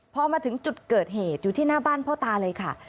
พอมาถึงจุดเกิดเหตุอยู่ที่หน้าบ้านพ่อตาเลยค่ะ